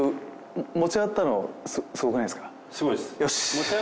持ち上がったのはすごいです。